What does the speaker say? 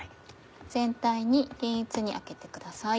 全体に均一に開けてください。